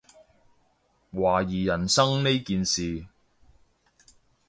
懷疑人生呢件事